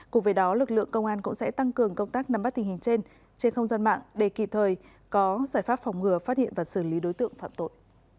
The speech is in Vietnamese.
cùng với đó lực lượng công an cũng sẽ tăng cường công tác nắm bắt tình hình trên không gian mạng để kịp thời có giải pháp phòng ngừa phát hiện và xử lý đối tượng phạm tội